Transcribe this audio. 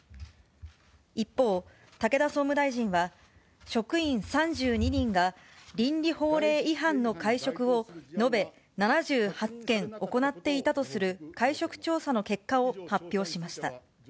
一方、武田総務大臣は、職員３２人が、倫理法令違反の会食を延べ７８件行っていたとする会食調査の結果を発表しました。